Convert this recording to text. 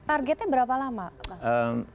targetnya berapa lama